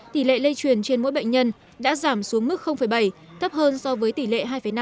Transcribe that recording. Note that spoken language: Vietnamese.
tỷ lệ lây truyền trên mỗi bệnh nhân đã giảm xuống mức bảy thấp hơn so với tỷ lệ hai năm